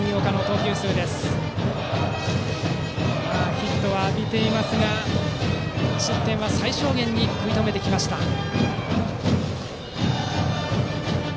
ヒットは浴びていますが失点は最小限に食い止めてきた新岡。